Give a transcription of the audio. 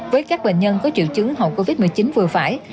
với các bệnh nhân có triệu chứng hậu covid một mươi chín vừa phải